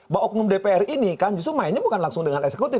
bahwa oknum dpr ini kan justru mainnya bukan langsung dengan eksekutif